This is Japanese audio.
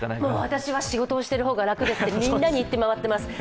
私は仕事をしている方が楽だって、みんなに言い回ってます。